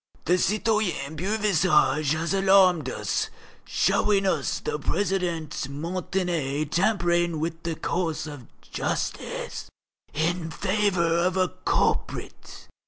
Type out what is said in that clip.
The citoyen Beauvisage has alarmed us, showing us the President Montané tampering with the course of justice in favour of a culprit.